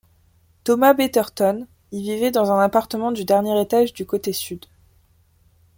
Thomas Betterton y vivait dans un appartement du dernier étage du côté sud.